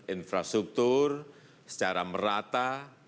infrastruktur secara merata